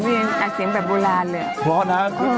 มันติดคุกออกไปออกมาได้สองเดือน